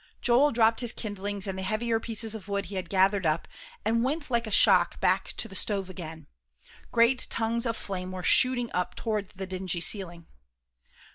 Joel dropped his kindlings and the heavier pieces of wood he had gathered up, and went like a shot back to the stove again. Great tongues of flame were shooting up toward the dingy ceiling.